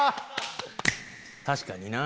確かにな